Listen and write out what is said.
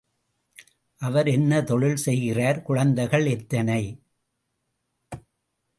அவர் என்ன தொழில் செய்கிறார், குழந்தைகள் எத்தனை?